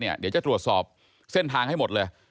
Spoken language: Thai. เดี๋ยวจะตรวจสอบเส้นทางให้หมดเลย